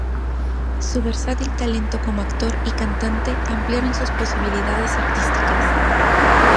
Su versátil talento como actor y cantante ampliaron sus posibilidades artísticas.